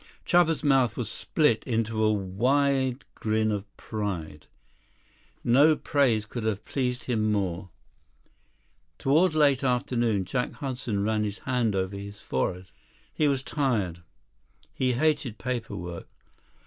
Chuba's mouth was split into a wide grin of pride. No praise could have pleased him more. Toward late afternoon, Jack Hudson ran his hand over his forehead. He was tired. He hated paper work.